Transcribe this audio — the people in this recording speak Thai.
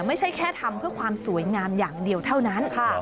ไม่ใช่แค่ทำเพื่อความสวยงามอย่างเดียวเท่านั้น